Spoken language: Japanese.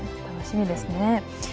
楽しみですね。